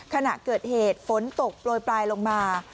ขณะเกิดเหตุฝนตกโปรยปลายลงมา